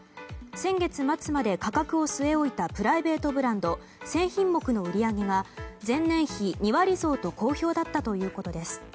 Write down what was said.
先月末まで価格を据え置いたプライベートブランド１０００品目の売り上げが前年比２割増と好評だったということです。